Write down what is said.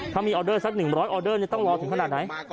ถ้ามีออเดอร์สัก๑๐๐ออเดอร์ต้องรอถึงขนาดไหน